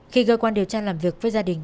khi cơ quan điều tra làm việc với gia đình